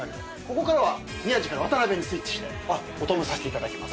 ここからは宮司から渡辺にスイッチしてお供させていただきます。